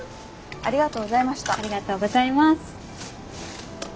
ありがとうございます。